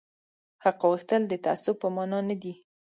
حق غوښتل د تعصب په مانا نه دي